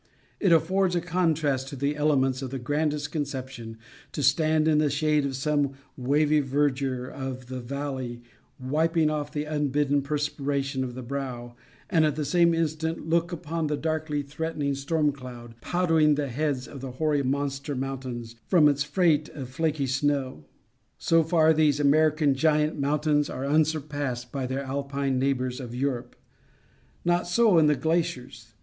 It affords a contrast of the elements of the grandest conception to stand in the shade of some wavy verdure of the valley wiping off the unbidden perspiration from the brow, and, at the same instant, look upon a darkly threatening storm cloud powdering the heads of the hoary monster mountains from its freight of flaky snow. So far these American giant mountains are unsurpassed by their Alpine neighbors of Europe. Not so in the glaciers.